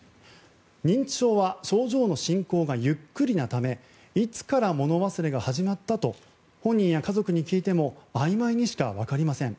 認知症は症状の進行がゆっくりなためいつからもの忘れが始まったと本人や家族に聞いてもあいまいにしか分かりません。